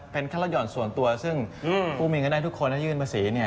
เป็นค่าลดหย่อนส่วนตัวซึ่งผู้มีเงินได้ทุกคนถ้ายื่นประสีเนี่ย